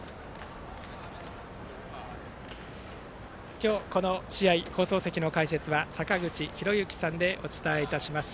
今日、この試合放送席の解説は坂口裕之さんでお伝えいたします。